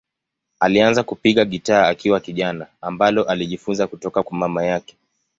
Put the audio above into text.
Alianza kupiga gitaa akiwa kijana, ambalo alijifunza kutoka kwa mama yake.